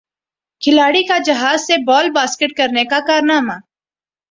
کھلاڑی کا جہاز سے بال باسکٹ کرنے کا کارنامہ